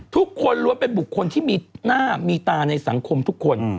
ทุกคนล้วนเป็นบุคคลที่มีหน้ามีตาในสังคมทุกคน